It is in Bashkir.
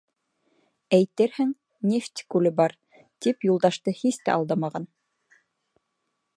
Әйтерһең, «нефть күле бар», тип Юлдашты һис тә алдамаған.